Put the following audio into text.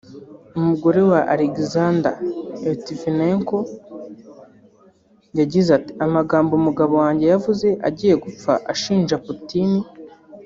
umugore wa Alexander Litvinenko yagize ati “Amagambo umugabo wanjye yavuze agiye gupfa ashinja Putin